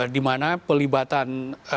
di mana pelibatan